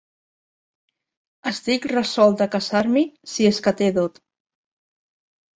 Estic resolt a casar-m'hi, si és que té dot.